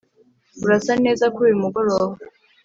urasa neza kuri uyu mugoroba.